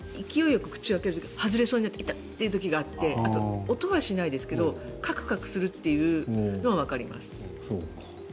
よく口を開けようとして外れそうになって痛！って時があってあとは音はしないですけどかくかくするっていうのはわかります。